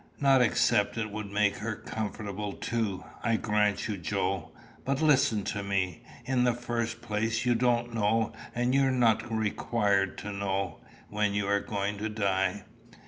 "Not except it would make her comfortable too, I grant you, Joe. But listen to me. In the first place, you don't know, and you are not required to know, when you are going to die.